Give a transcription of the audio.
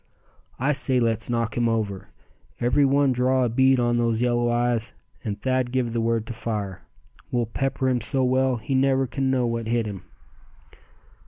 "I say let's knock him over. Every one draw a bead on those yellow eyes, and Thad give the word to fire. We'll pepper him so well he never can know what hit him."